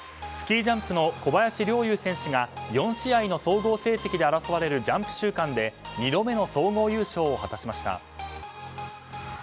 スキージャンプの小林陵侑選手が４試合の総合成績で争われるジャンプ週間で２度目の総合優勝を果たしました。